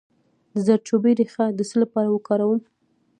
د زردچوبې ریښه د څه لپاره وکاروم؟